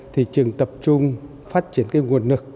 thì trường tập trung phát triển cái nguồn lực